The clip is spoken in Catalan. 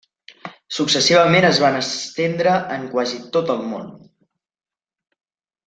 Successivament es van estendre en quasi tot el món.